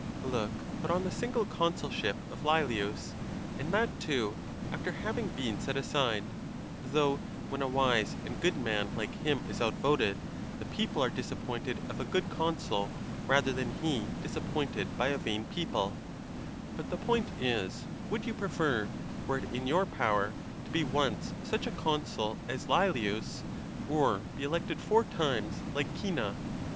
Look but on the single consulship of Leelius, and that, too, after having been set aside (though when a wise and good man like him is outvoted, the people are disap pointed of a good consul, rather than he disappointed by a vain people); but the point is, would you prefer, were it in your power, to be once such a consul as Leelius, or be elected four times, like Cinna?